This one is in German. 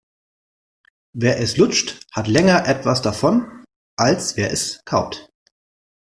Wer es lutscht, hat länger etwas davon, als wer es kaut.